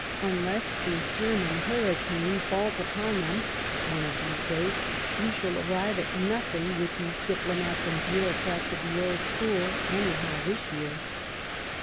Un less a German hurricane falls upon them one of these days, we shall arrive at nothing with these diplomats and bureaucrats of the old school, any how this year."